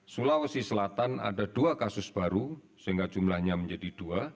sulawesi selatan ada dua kasus baru sehingga jumlahnya menjadi dua